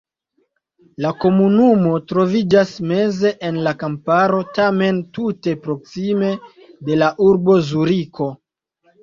La komunumo troviĝas meze en la kamparo, tamen tute proksime de la urbo Zuriko.